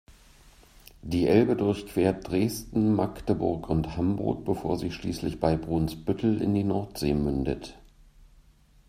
Die Elbe durchquert Dresden, Magdeburg und Hamburg, bevor sie schließlich bei Brunsbüttel in die Nordsee mündet.